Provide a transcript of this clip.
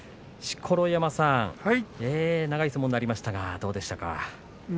錣山さん、長い相撲になりましたが、どうでしたか？